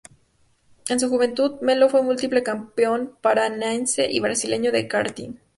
En su juventud, Melo fue múltiple campeón paranaense y brasileño de karting.